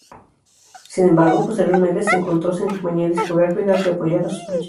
Sin embargo, posteriormente, se encontró sin compañía discográfica que apoyara sus proyectos.